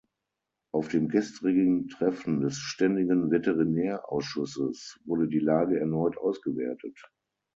Auf dem gestrigen Treffen des Ständigen Veterinärausschusses wurde die Lage erneut ausgewertet.